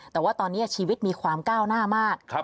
แต่ว่าตอนนี้ชีวิตมีความก้าวหน้ามาก